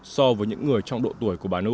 so với những người trong độ tuổi của bà nông